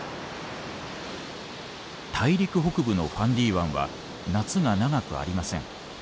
大陸北部のファンディ湾は夏が長くありません。